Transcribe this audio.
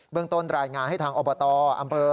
เรื่องต้นรายงานให้ทางอบตอำเภอ